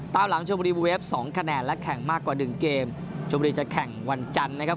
ตามหลังชมบุรีบูเวฟสองคะแนนและแข่งมากกว่าหนึ่งเกมชมบุรีจะแข่งวันจันทร์นะครับ